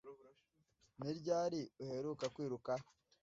Ni ryari uheruka kwiruka?